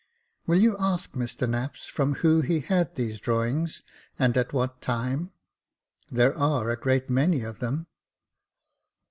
" Will you ask Mr Knapps from whom he had these drawings, and at what time "i There are a great many of them."